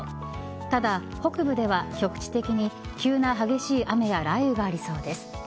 ただ、北部では局地的に急な激しい雨や雷雨がありそうです。